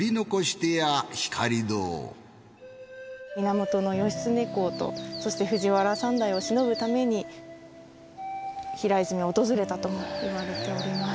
源義経公とそして藤原三代を偲ぶために平泉を訪れたともいわれております。